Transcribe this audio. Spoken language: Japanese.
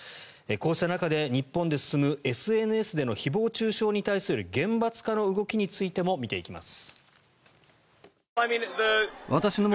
こうした中で、日本で進むＳＮＳでの誹謗・中傷に対する厳罰化の動きについても見ていきます。